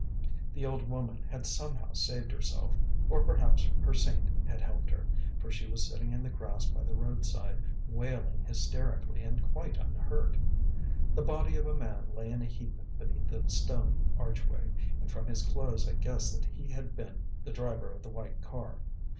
The old woman had somehow saved herself or perhaps her saint had helped her for she was sitting in the grass by the roadside, wailing hysterically and quite unhurt. The body of a man lay in a heap beneath the stone archway, and from his clothes I guessed that he had been the driver of the white car.